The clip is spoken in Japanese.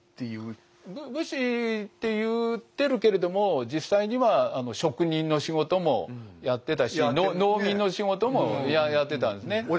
武士って言ってるけれども実際には職人の仕事もやってたし農民の仕事もやってたんですね。